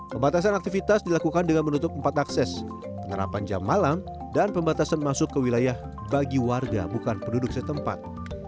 pembatasan aktivitas dilakukan dengan menutup empat akses penerapan jam malam dan pembatasan masuk ke wilayah bagi warga bukan penduduk setempat